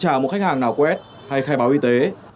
chẳng phải trả một khách hàng nào quét hay khai báo y tế